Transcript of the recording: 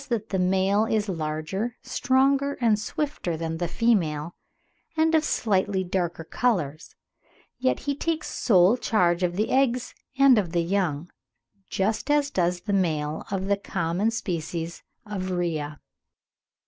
128), that the male is larger, stronger and swifter than the female, and of slightly darker colours; yet he takes sole charge of the eggs and of the young, just as does the male of the common species of Rhea.)